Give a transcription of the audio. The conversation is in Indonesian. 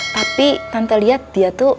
tapi tante lihat dia tuh